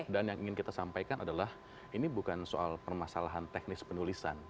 dan yang ingin kita sampaikan adalah ini bukan soal permasalahan teknis penulisan